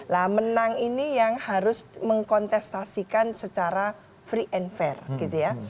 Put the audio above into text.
nah menang ini yang harus mengkontestasikan secara free and fair gitu ya